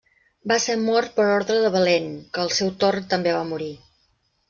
Va ser mort per orde de Valent, que al seu torn també va morir.